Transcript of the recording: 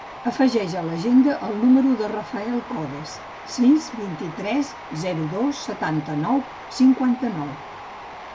Afegeix a l'agenda el número del Rafael Codes: sis, vint-i-tres, zero, dos, setanta-nou, cinquanta-nou.